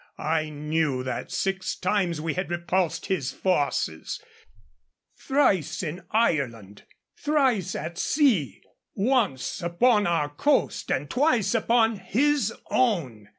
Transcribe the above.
I knew that six times we had repulsed his forces thrice in Ireland, thrice at sea, once upon our coast and twice upon his own.